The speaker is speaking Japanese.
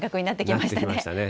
なってきましたね。